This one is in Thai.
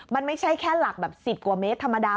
มันไม่ใช่แค่หลักแบบ๑๐กว่าเมตรธรรมดา